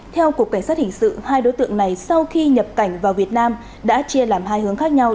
theo cục cảnh sát hình sự hai đối tượng này sau khi nhập cảnh vào việt nam đã chia làm hai hướng khác nhau